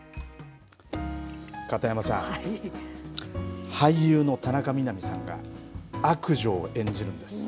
片山さん、俳優の田中みな実さんが悪女を演じるんです。